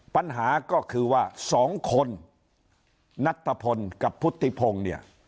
ปัญหาก็คือว่าสองคนนัตตะพลกับพุทธิพงศ์เนี่ย